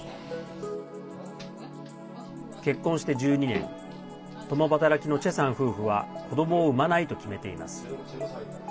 結婚して１２年共働きのチェさん夫婦は子どもを産まないと決めています。